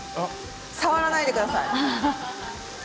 触らないでください。